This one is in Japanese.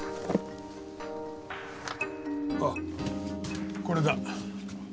あっこれだ。